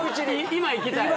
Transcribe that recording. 今いきたい